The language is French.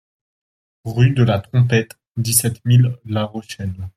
Rue DE LA TROMPETTE, dix-sept mille La Rochelle